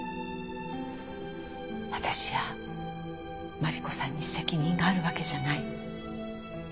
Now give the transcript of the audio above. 私やマリコさんに責任があるわけじゃない。